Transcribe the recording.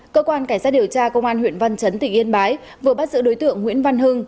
cơ quan cảnh sát điều tra công an huyện văn chấn tỉnh yên bái vừa bắt giữ đối tượng nguyễn văn hưng